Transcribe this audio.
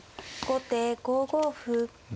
後手５五歩。